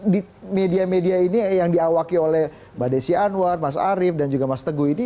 di media media ini yang diawaki oleh mbak desi anwar mas arief dan juga mas teguh ini